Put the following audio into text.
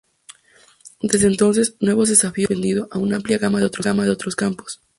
Desde entonces, nuevos desafíos se han expandido a una amplia gama de otros campos.